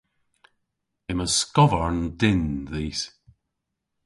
Yma skovarn dynn dhis.